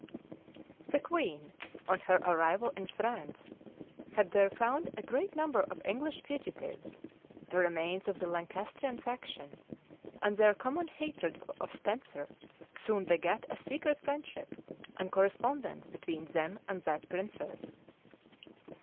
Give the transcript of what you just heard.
The queen, on her arrival in France, had there found a great number of English fugitives, the remains of the Lancastrian faction; and their common hatred of Spenser soon begat a secret friendship and correspondence between them and that princess.